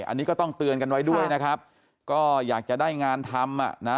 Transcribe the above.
อันนี้ก็ต้องเตือนกันไว้ด้วยนะครับก็อยากจะได้งานทำอ่ะนะ